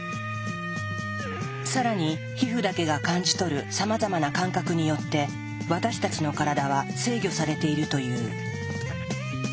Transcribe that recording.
更に皮膚だけが感じ取るさまざまな感覚によって私たちの体は制御されているという。